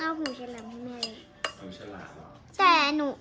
โอ้โหมีกัน